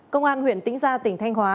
công an huyện tĩnh gia tỉnh thanh hóa